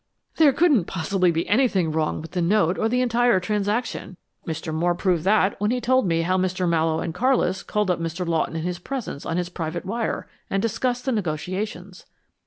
"There couldn't possibly be anything wrong with the note or the entire transaction. Mr. Moore proved that when he told me how Mr. Mallowe and Carlis called up Mr. Lawton in his presence on his private wire and discussed the negotiations."